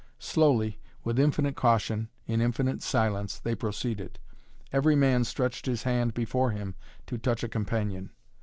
Slowly, with infinite caution, in infinite silence, they proceeded. Every man stretched his hand before him to touch a companion.